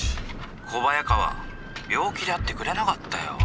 「小早川病気で会ってくれなかったよ」。